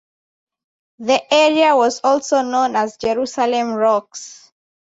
The area was also known as Jerusalem Rocks.